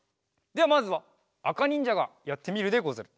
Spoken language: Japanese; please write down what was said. ではまずはあかにんじゃがやってみるでござる。